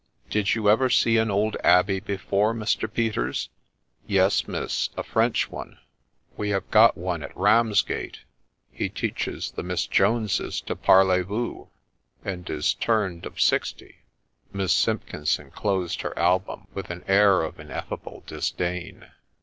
' Did you ever see an old abbey before, Mr. Peters ?' 4 Yes, miss, a French one ; we have got one at Ramsgate ; he teaches the Miss Joneses to parley voo, and is turned of sixty.' Miss Simpkinson closed her album with an air of ineffable disdain.